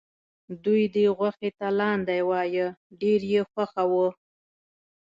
دوی دې غوښې ته لاندی وایه ډېره یې خوښه وه.